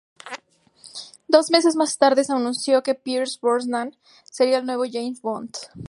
Dos meses más tarde se anunció que Pierce Brosnan sería el nuevo James Bond.